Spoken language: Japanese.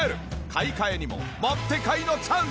買い替えにももってこいのチャンス！